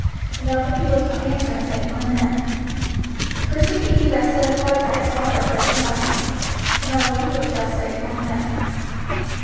And all the people shall answer and say, Amen. 05:027:016 Cursed be he that setteth light by his father or his mother. And all the people shall say, Amen.